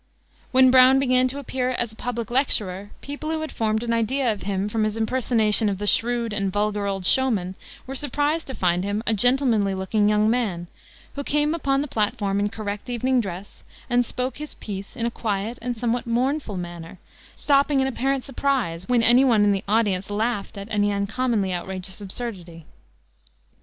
When Browne began to appear as a public lecturer people who had formed an idea of him from his impersonation of the shrewd and vulgar old showman were surprised to find him a gentlemanly looking young man, who came upon the platform in correct evening dress, and "spoke his piece" in a quiet and somewhat mournful manner, stopping in apparent surprise when any one in the audience laughed at any uncommonly outrageous absurdity.